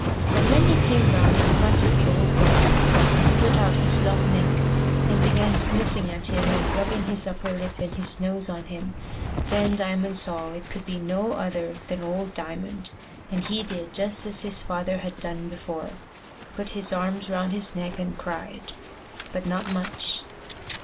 But when he came round in front of the old horse, and he put out his long neck, and began sniffing at him and rubbing his upper lip and his nose on him, then Diamond saw it could be no other than old Diamond, and he did just as his father had done before put his arms round his neck and cried but not much.